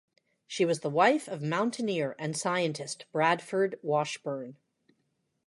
She was the wife of mountaineer and scientist Bradford Washburn.